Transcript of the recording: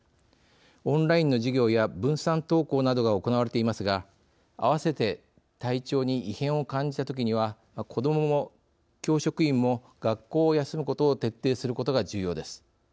オンラインの授業や分散登校などが行われていますが併せて、体調に異変を感じたときには子どもも教職員も学校を休むことを徹底することが重要です。